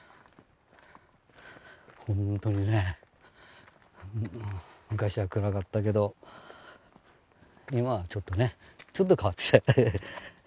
ほんとにね昔は暗かったけど今はちょっとねちょっと変わってきた。